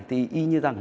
thì y như rằng